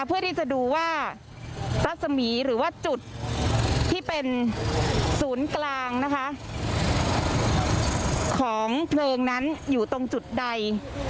เพื่อที่จะดูว่ารัศมีร์หรือว่าจุดที่เป็นศูนย์กลางนะคะของเพลิงนั้นอยู่ตรงจุดใด